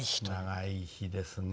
「長い日」ですね。